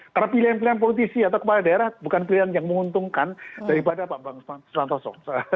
karena pilihan pilihan politisi atau kepala daerah bukan pilihan yang menguntungkan daripada pak bambang susantono